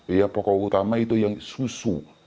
ya pokok utama itu yang susu